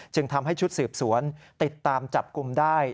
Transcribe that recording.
จึงทำให้ชุดสืบสวนติดตามจับกลุ่มได้